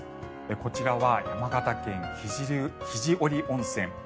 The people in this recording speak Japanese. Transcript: こちらは山形県・肘折温泉。